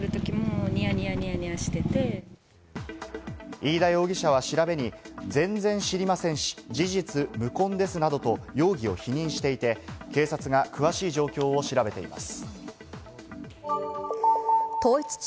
飯田容疑者は調べに、全然知りませんし、事実無根ですなどと容疑を否認していて、警察が詳しい状況を調べています。